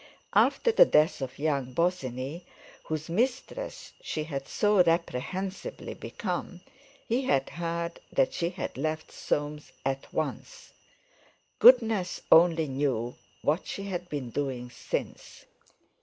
After the death of young Bosinney, whose mistress she had so reprehensibly become, he had heard that she had left Soames at once. Goodness only knew what she had been doing since.